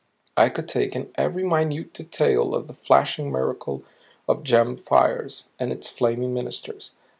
I could take in every minute detail of the flashing miracle of gemmed fires and its flaming ministers.